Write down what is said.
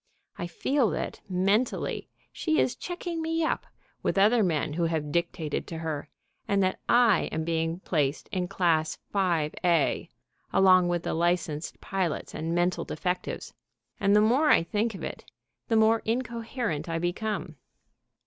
I feel that, mentally, she is checking me up with other men who have dictated to her, and that I am being placed in Class 5a, along with the licensed pilots and mental defectives, and the more I think of it the more incoherent I become.